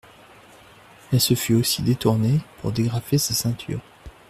Elle se fût aussi détournée pour dégrafer sa ceinture.